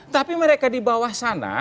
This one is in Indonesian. tapi mereka di bawah sana